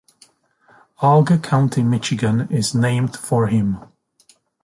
Alger County, Michigan, is named for him.